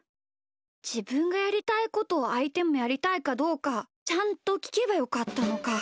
じぶんがやりたいことをあいてもやりたいかどうかちゃんときけばよかったのか。